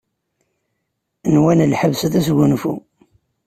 Nwan lḥebs d asgunfu.